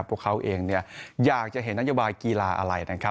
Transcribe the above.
พวกเขาเองอยากจะเห็นนโยบายกีฬาอะไรนะครับ